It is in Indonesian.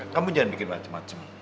kamu jangan bikin macam macam